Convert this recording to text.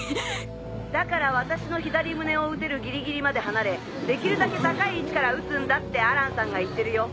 だから私の左胸を撃てるギリギリまで離れできるだけ高い位置から撃つんだってアランさんが言ってるよ。